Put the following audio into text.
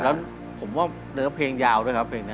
แล้วผมว่าเนื้อเพลงยาวด้วยครับเพลงนี้